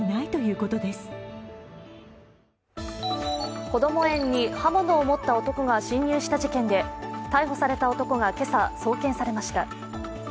こども園に刃物を持った男が侵入した事件で逮捕された男が今朝、送検されました。